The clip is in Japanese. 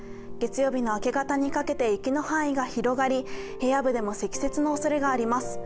月曜日の明け方にかけて雪の範囲が広がり平野部でも積雪のおそれがあります。